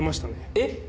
えっ？